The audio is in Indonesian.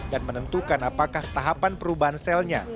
dan menentukan apakah tahapan perubahan selnya